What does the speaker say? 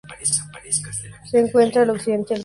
Se encuentra al Occidente del país.